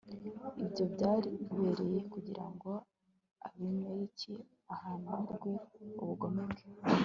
ibyo byabereye kugira ngo abimeleki ahanirwe ubugome bwe